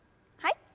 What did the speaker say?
はい。